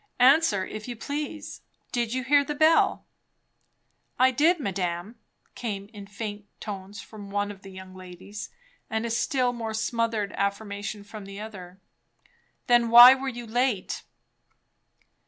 "Answer, if you please. Did you hear the bell?" "I did, madame," came in faint tones from one of the young ladies; and a still more smothered affirmative from the other. "Then why were you late?"